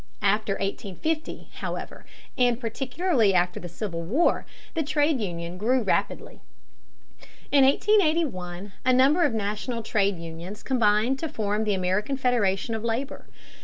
After 1850, however, and particularly after the Civil War, the trade union grew rapidly. In 1881 a number of national trade unions combined to form the American Federation of Labor.